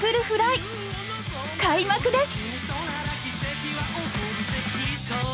開幕です！